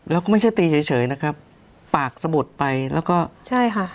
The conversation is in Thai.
แล้วก็ไม่ใช่ตีเฉยนะครับปากสะบดไปแล้วก็ใช่ค่ะ